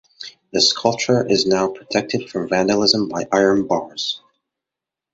The sculpture is now protected from vandalism by iron bars.